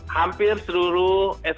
hampir seluruh asn